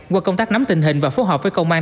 qua công tác nắm tình hình và phối hợp với công an